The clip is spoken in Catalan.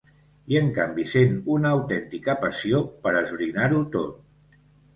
I en canvi sent una autèntica passió per esbrinar-ho tot.